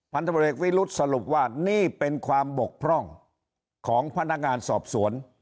พันธบริกวิรุธสรุปว่านี่เป็นความบกพร่องของพนักงานสอบสวน